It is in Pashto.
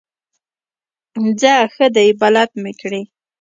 ځه ښه دی بلد مې کړې.